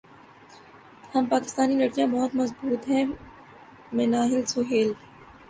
ہم پاکستانی لڑکیاں بہت مضبوط ہیں منہل سہیل